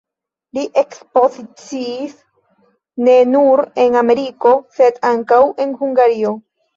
Li ekspoziciis ne nur en Ameriko, sed ankaŭ en Hungario.